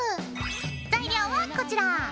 材料はこちら。